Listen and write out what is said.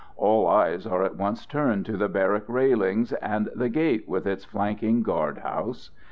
All eyes are at once turned to the barrack railings and the gate with its flanking guard house.